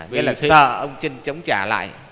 vì sợ ông trinh chống trả lại